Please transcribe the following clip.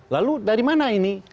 lalu dari mana ini